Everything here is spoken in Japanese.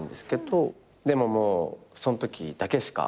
でももうそんときだけしか会えなくて。